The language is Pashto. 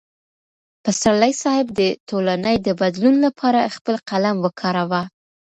پسرلی صاحب د ټولنې د بدلون لپاره خپل قلم وکاراوه.